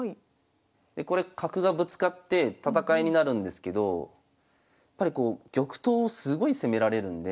これ角がぶつかって戦いになるんですけどやっぱり玉頭をすごい攻められるんで。